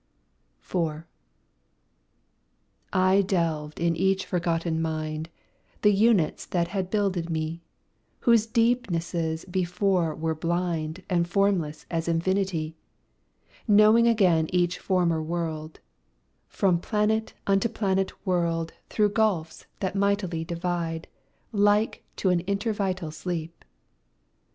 IV I delved in each forgotten mind, The units that had builded me, Whose deepnesses before were blind And formless as infinity Knowing again each former world From planet unto planet whirled Through gulfs that mightily divide Like to an intervital sleep.